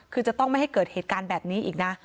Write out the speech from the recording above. คือจะต้องไม่ให้เกิดเหตุการณ์แบบนี้อีกนะ